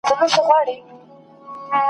له سر تر نوکه بس ګلدسته یې !.